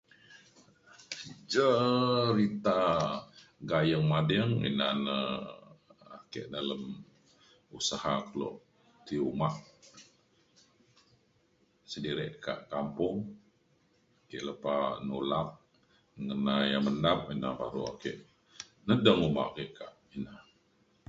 cerita gayeng mading ina ne ake dalem usaha keluk ti uma sendiri ke' kampung je' lepa mula ngena ia mendap ina baru ake nedeng uma ke' ka ina.